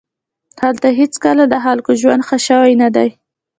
هلته هېڅکله د خلکو ژوند ښه شوی نه دی